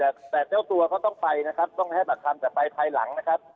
แต่แต่เจ้าตัวเขาต้องไปนะครับต้องให้ปากคำแต่ไปภายหลังนะครับ